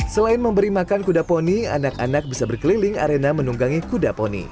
selain memberi makan kuda poni anak anak bisa berkeliling arena menunggangi kuda poni